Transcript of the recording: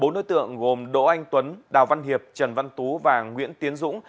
bốn đối tượng gồm đỗ anh tuấn đào văn hiệp trần văn tú và nguyễn tiến dũng